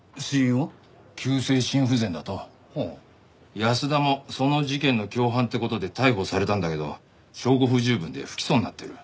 安田もその事件の共犯って事で逮捕されたんだけど証拠不十分で不起訴になってる。